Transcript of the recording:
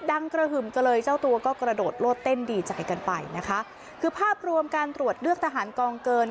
กระหึ่มกันเลยเจ้าตัวก็กระโดดโลดเต้นดีใจกันไปนะคะคือภาพรวมการตรวจเลือกทหารกองเกิน